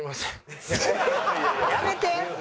やめて！